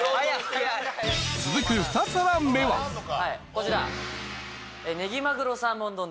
こちら。